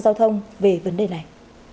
giao thông về vấn đề này